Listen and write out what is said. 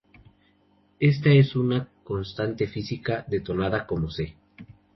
Esta es una constante física denotada como "c".